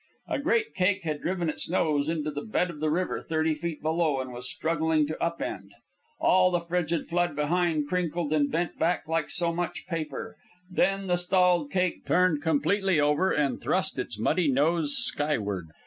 A great cake had driven its nose into the bed of the river thirty feet below and was struggling to up end. All the frigid flood behind crinkled and bent back like so much paper. Then the stalled cake turned completely over and thrust its muddy nose skyward.